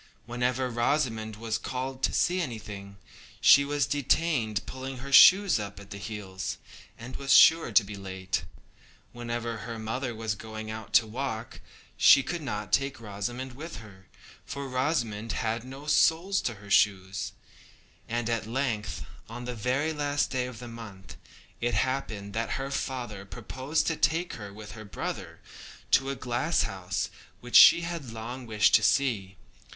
Whenever Rosamond was called to see anything, she was detained pulling her shoes up at the heels, and was sure to be too late. Whenever her mother was going out to walk, she could not take Rosamond with her, for Rosamond had no soles to her shoes; and at length, on the very last day of the month, it happened that her father proposed to take her, with her brother, to a glasshouse which she had long wished to see.